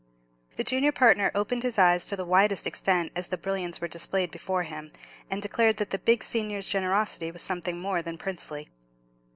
The junior partner opened his eyes to the widest extent as the brilliants were displayed before him, and declared that big senior's generosity was something more than princely.